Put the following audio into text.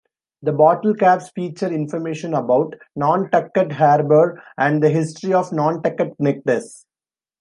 The bottle caps feature information about Nantucket Harbor and the history of Nantucket Nectars.